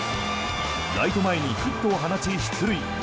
ライト前にヒットを放ち出塁。